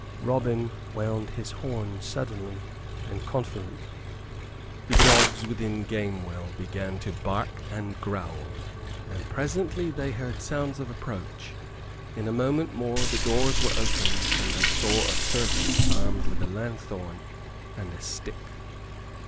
Robin wound his horn suddenly and confidently. The dogs within Gamewell began to bark and growl, and presently they heard sounds of approach. In a moment more the doors were opened and they saw a servant armed with a lanthorn and a stick.